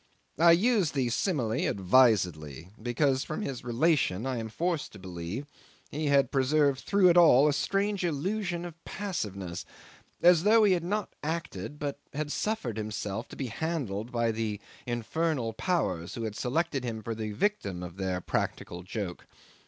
I use the simile advisedly, because from his relation I am forced to believe he had preserved through it all a strange illusion of passiveness, as though he had not acted but had suffered himself to be handled by the infernal powers who had selected him for the victim of their practical joke.